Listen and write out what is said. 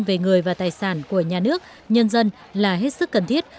về người và tài sản của nhà nước nhân dân là hết sức cần thiết